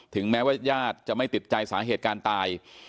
ถึงแม้ว่ายาดจะไม่ติดใจสาเหตุการณ์ตาย